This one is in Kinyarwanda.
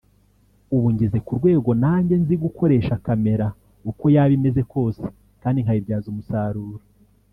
ubu ngeze ku rwego nanjye nzi gukoresha camera uko yaba imeze kose kandi nkayibyaza umusaruro